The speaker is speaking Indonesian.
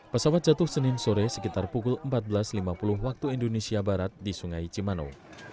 pesawat jatuh senin sore sekitar pukul empat belas lima puluh waktu indonesia barat di sungai cimanu